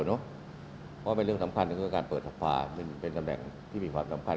ว่าเป็นเรื่องสำคัญเรื่องการเปิดทฟาเป็นแสดงที่มีความสำคัญ